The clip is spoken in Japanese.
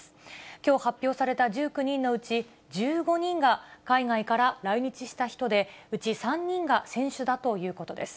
きょう発表された１９人のうち、１５人が海外から来日した人で、うち３人が選手だということです。